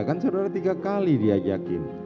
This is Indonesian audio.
kan saudara tiga kali diajakin